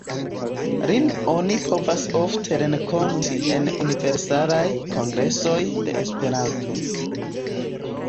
Lin oni povas ofte renkonti en Universalaj Kongresoj de Esperanto.